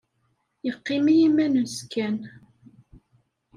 Yeqqim i yiman-nnes kan.